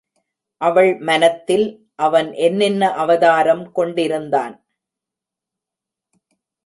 அவள் மனத்தில் அவன் என்னென்ன அவதாரம் கொண்டிருந்தான்?